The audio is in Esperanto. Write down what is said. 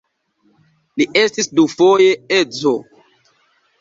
Li estis dufoje edzo.